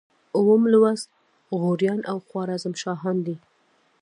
اووم لوست غوریان او خوارزم شاهان دي.